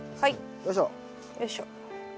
よいしょ。